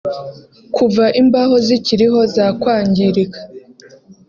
Kuva imbaho zikiriho zakwangirika